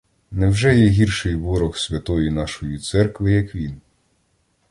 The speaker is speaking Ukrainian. Невже є гірший ворог святої нашої церкви, як він?